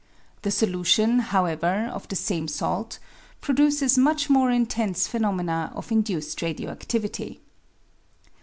The solution, however, of the same salt produces much more intense phenomena of induced radio adivity.